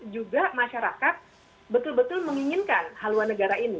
juga masyarakat betul betul menginginkan haluan negara ini